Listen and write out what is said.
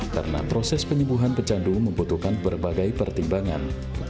karena proses penyembuhan pecandu membutuhkan berbagai pertimbangan